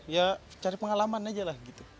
ya cari pengalaman aja lah gitu